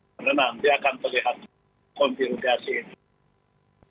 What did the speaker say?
karena nanti akan terlihat konfiruasi ini